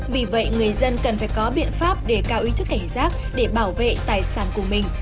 vì vậy người dân cần phải có biện pháp để cao ý thức cảnh giác để bảo vệ tài sản của mình